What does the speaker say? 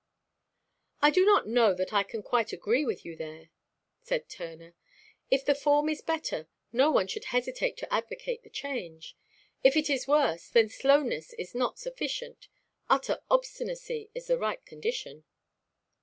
"I don't know that I can quite agree with you there," said Turner. "If the form is better, no one should hesitate to advocate the change. If it is worse, then slowness is not sufficient utter obstinacy is the right condition."